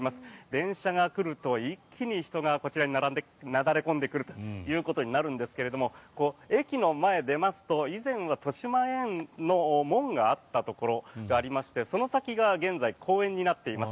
電車が来ると一気に人がこちらになだれ込んでくるということになるんですが駅の前、出ますと以前はとしまえんの門があったところがありましてその先が現在公園になっています。